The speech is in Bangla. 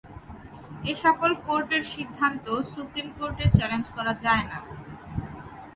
এ সকল কোর্টের সিদ্ধান্ত সুপ্রিম কোর্টে চ্যালেঞ্জ করা যায় না।